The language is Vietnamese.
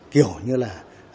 kiểu như là